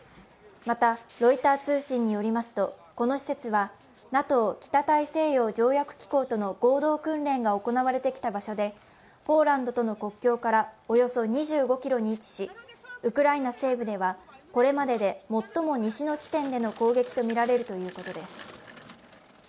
また、ロイター通信によりますと、この施設はＮＡＴＯ＝北大西洋条約機構との合同訓練が行われてきた場所でポーランドとの国境からおよそ２５ｋｍに位置し、ウクライナ西部ではこれまでで最も西の地点での攻撃とみられるということです。